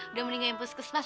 udah meninggalkan puskesmas